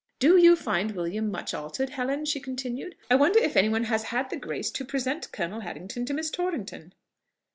"Do you find William much altered, Helen?" she continued. "I wonder if any one has had the grace to present Colonel Harrington to Miss Torrington?"